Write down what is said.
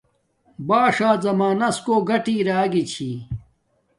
باݽا زمانس کوٹ گٹی اراگی چھی